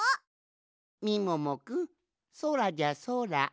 みももくんそらじゃそら。